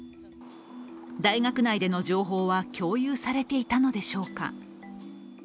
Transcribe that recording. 大学内での情報は共有されていたのでしょうか。